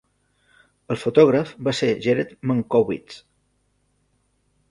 El fotògraf va ser Gered Mankowitz.